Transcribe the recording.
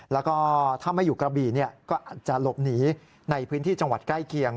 แล้วก็ถ้าไม่อยู่กระบี่ก็อาจจะหลบหนีในพื้นที่จังหวัดใกล้เคียง